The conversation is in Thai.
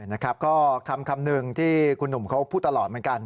นะครับก็คำหนึ่งที่คุณหนุ่มเขาพูดตลอดเหมือนกัน